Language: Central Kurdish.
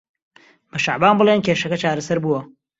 بە شەعبان بڵێن کێشەکە چارەسەر بووە.